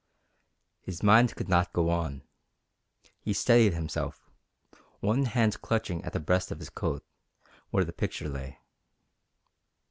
His mind could not go on. He steadied himself, one hand clutching at the breast of his coat, where the picture lay.